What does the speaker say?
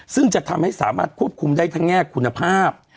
ซึ่งจะทำให้สามารถควบคุมได้ทั้งแง่คุณภาพ